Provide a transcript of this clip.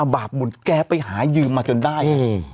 อบาปหมุนแก้ไปหายืมมาจนได้